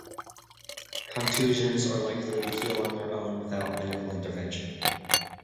Contusions are likely to heal on their own without medical intervention.